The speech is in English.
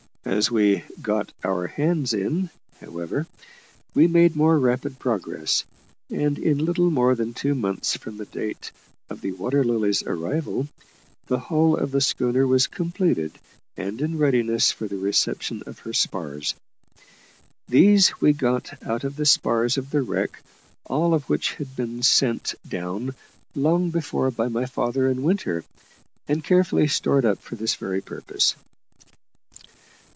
As we "got our hands in," however, we made more rapid progress; and, in little more than two months from the date of the Water Lily's arrival, the hull of the schooner was completed and in readiness for the reception of her spars. These we got out of the spars of the wreck, all of which had been sent down long before by my father and Winter, and carefully stored up for this very purpose.